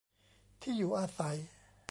ที่อยู่อาศัย